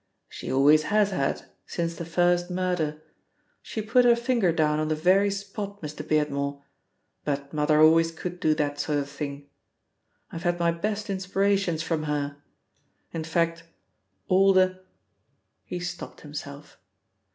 "She always has had, since the first murder. She put her finger down on the very spot, Mr. Beardmore, but mother always could do that sort of thing. I've had my best inspirations from her; in fact, all the " He stopped himself.